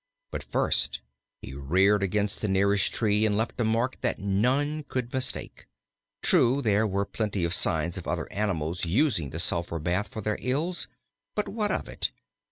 But first he reared against the nearest tree and left a mark that none could mistake. True, there were plenty of signs of other animals using the sulphur bath for their ills; but what of it?